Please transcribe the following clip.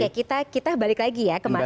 oke kita balik lagi ya ke masalah